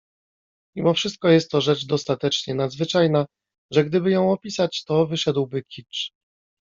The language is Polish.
Mimo wszystko jest to rzecz dostatecznie nadzwyczajna, że gdyby ją opisać, to wyszedłby kicz.